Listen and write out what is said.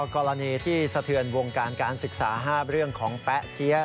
กรณีที่สะเทือนวงการการศึกษา๕เรื่องของแป๊ะเจี๊ยะ